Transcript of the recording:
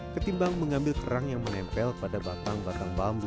ketimbang mengambil kerang yang menempel pada batang batang bambu